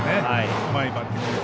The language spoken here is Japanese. うまいバッティングです。